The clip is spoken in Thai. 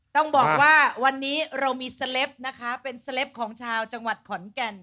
ต้องบอกว่าวันนี้เรามีสเล็ปนะคะเป็นสเล็ปของชาวจังหวัดขอนแก่น